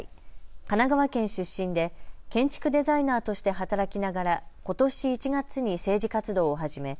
神奈川県出身で建築デザイナーとして働きながらことし１月に政治活動を始め